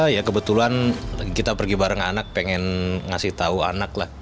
ya kebetulan kita pergi bareng anak pengen ngasih tahu anak lah